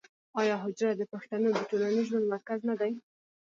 آیا حجره د پښتنو د ټولنیز ژوند مرکز نه دی؟